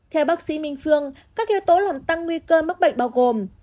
theo bác sĩ minh phương các yếu tố làm tăng nguy cơ mắc bệnh bao gồm